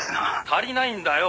「足りないんだよ！